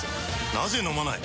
なぜ飲まない？